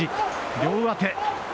両上手。